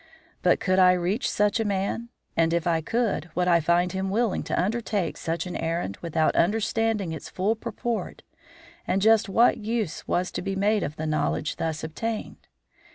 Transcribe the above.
But could I reach such a man, and, if I could, would I find him willing to undertake such an errand without understanding its full purport and just what use was to be made of the knowledge thus obtained?